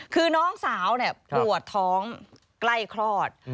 คือน้องสาวปวดท้องใกล้คลอด